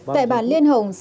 tại bản liên hệ